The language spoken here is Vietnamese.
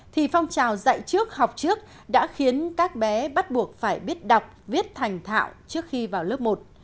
thì phong trào dạy trước học trước đã khiến các bé bắt buộc phải biết đọc viết thành thạo trước khi vào lớp một